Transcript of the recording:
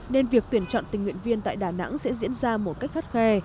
nên việc tuyển chọn tình nguyện viên tại đà nẵng sẽ diễn ra một cách khắt khe